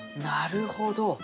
なるほど。